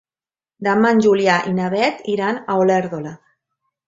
Demà en Julià i na Beth iran a Olèrdola.